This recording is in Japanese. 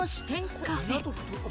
カフェ。